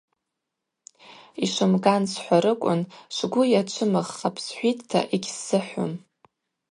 Йшвымган схӏварыквын швгвы йачвымыгъхапӏ – схӏвитӏта йгьсзыхӏвум.